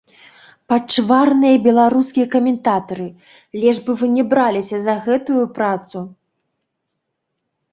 Пачварныя беларускія каментатары, лепш бы вы не браліся за гэтую працу!!!